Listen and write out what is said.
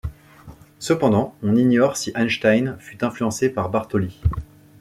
Cependant, on ignore si Einstein fut influencé par Bartoli.